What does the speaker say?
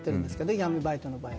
闇バイトの場合は。